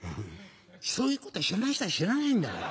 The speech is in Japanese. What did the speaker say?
そういうことは知らない人は知らないんだから。